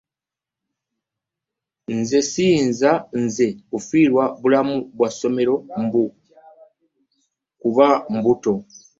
Nze siyinza nze kufiirwa bulamu bwa ssomero mbu kuba mbuto.